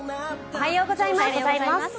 おはようございます。